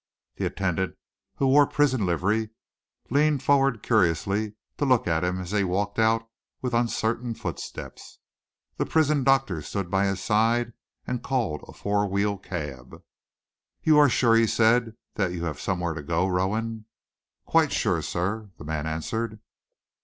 The attendant, who wore prison livery, leaned forward curiously to look at him as he walked out with uncertain footsteps. The prison doctor stood by his side and called a four wheel cab. "You are sure," he said, "that you have somewhere to go to, Rowan?" "Quite sure, sir," the man answered.